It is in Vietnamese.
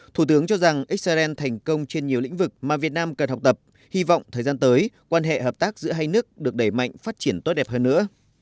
thủ tướng cho rằng israel thành công trên nhiều lĩnh vực mà việt nam cần học tập hy vọng thời gian tới quan hệ hợp tác giữa hai nước được đẩy mạnh phát triển tốt đẹp hơn nữa